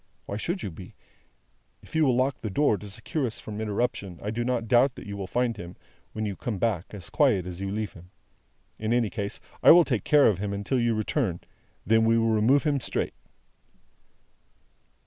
Why should you be? If you will lock the door to secure us from interruption, I do not doubt that you will find him, when you come back, as quiet as you leave him. In any case, I will take care of him until you return, and then we will remove him straight."